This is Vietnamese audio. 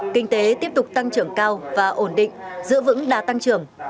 kinh tế tiếp tục tăng trưởng cao và ổn định giữ vững đa tăng trưởng